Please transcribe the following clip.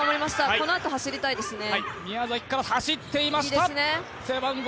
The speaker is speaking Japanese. このあと走りたいですね。